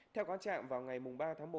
theo quan trạng vào ngày ba tháng một